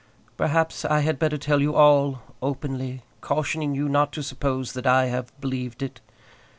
Perhaps I had better tell you all, openly, cautioning you not to suppose that I have believed it.